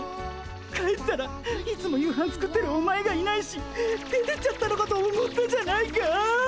帰ったらいつも夕飯作ってるお前がいないし出てっちゃったのかと思ったじゃないか！